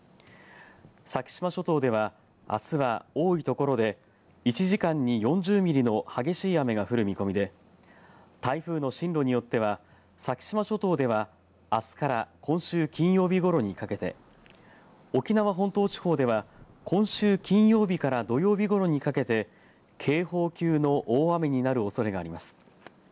先島諸島ではあすは多い所で１時間に４０ミリの激しい雨が降る見込みで台風の進路によっては先島諸島では、あすから今週金曜日ごろにかけて沖縄本島地方では今週金曜日から土曜日ごろにかけて警報級の大雨になるおそれがあります。